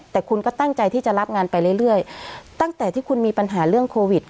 แต่คุณก็ตั้งใจที่จะรับงานไปเรื่อยตั้งแต่ที่คุณมีปัญหาเรื่องโควิด